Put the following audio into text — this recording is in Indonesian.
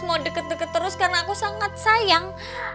mau deket deket terus karena aku sangat sayang